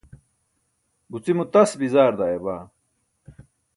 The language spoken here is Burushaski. Gucimo tas bizaar daayabaa!